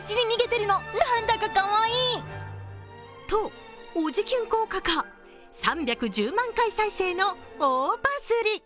と、おじキュン効果か、３１０万回再生の大バズり。